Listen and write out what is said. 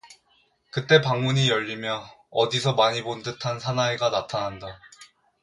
그때 방문이 열리며 어디서 많이 본 듯한 사나이가 나타난다.